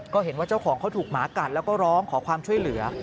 ก็เห็นว่าเจ้าของเขาถูกหมากัดแล้วก็ร้องขอความช่วยเหลือ